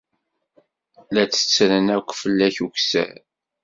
La d-ttettren akk fell-ak ukessar.